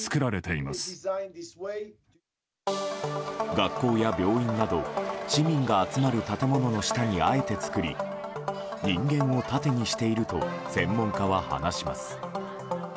学校や病院など市民が集まる建物の下にあえて作り人間を盾にしていると専門家は話します。